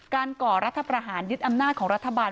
ก่อรัฐประหารยึดอำนาจของรัฐบาล